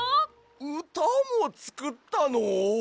うたもつくったの？